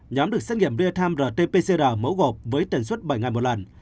nhóm được xét nghiệm rt pcr mẫu gộp với tần suốt bảy ngày một lần